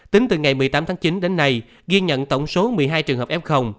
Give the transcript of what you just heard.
tính từ ngày một mươi tám tháng chín đến nay ghi nhận tổng số một mươi hai trường hợp f